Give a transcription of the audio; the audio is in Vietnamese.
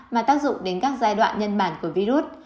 mà tác dụng đến các giai đoạn nhân bản của virus